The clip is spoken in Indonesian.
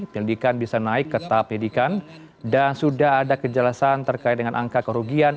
pendidikan bisa naik ke tahap pendidikan dan sudah ada kejelasan terkait dengan angka kerugian